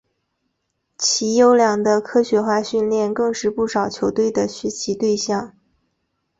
其优良的科学化训练更是不少球队的学习对象。